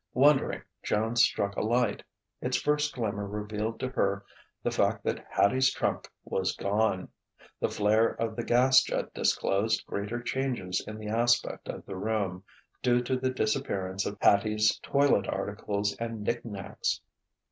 Wondering, Joan struck a light. Its first glimmer revealed to her the fact that Hattie's trunk was gone. The flare of the gas jet disclosed greater changes in the aspect of the room, due to the disappearance of Hattie's toilet articles and knick knacks.